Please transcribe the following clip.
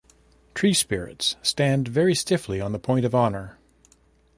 Tree-spirits stand very stiffly on the point of honor.